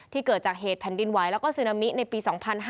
เกิดจากเหตุแผ่นดินไหวแล้วก็ซึนามิในปี๒๕๕๙